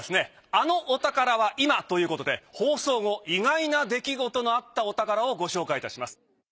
あのお宝は今ということで放送後意外な出来事のあったお宝をご紹介いたします。